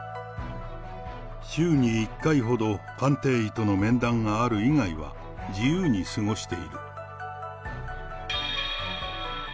週に１回ほど、鑑定医との面談がある以外は、自由に過ごしている。